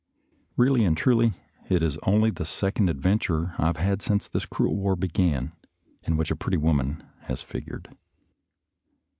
Eeally and truly, it is only the second adven ture I have had since this cruel war began, in which a pretty woman has figured.